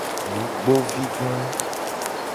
Nugbovi ga.